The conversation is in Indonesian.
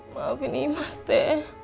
maafin imas teh